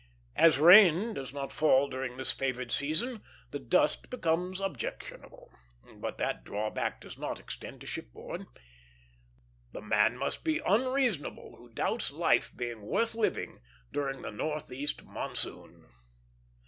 As rain does not fall during this favored season, the dust becomes objectionable; but that drawback does not extend to shipboard. The man must be unreasonable who doubts life being worth living during the northeast monsoon.